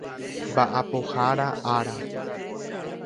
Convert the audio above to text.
Mba'apohára Ára